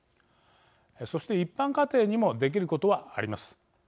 そして、一般家庭にもできることはあります。